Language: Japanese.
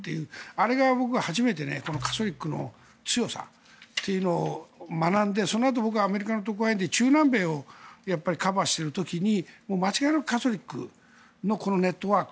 あれでカトリックの強さを学んで学んで、そのあと僕はアメリカの特派員で中南米をカバーしている時に間違いなくカトリックのネットワーク